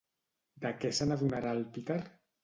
De què se n'adonarà el Peter?